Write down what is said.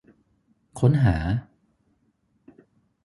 ค้นหา